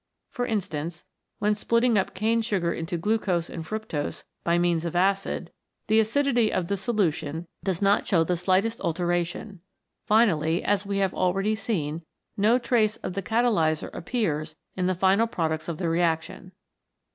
For instance, when splitting up cane sugar into glucose and fructose by means of acid, the acidity of the solution does not show 86 CATALYSIS AND THE ENZYMES the slightest alteration. Finally, as we have al ready seen, no trace of the catalyser appears in the final products of the reaction.